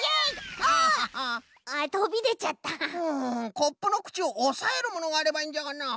コップのくちをおさえるものがあればいいんじゃがなあ。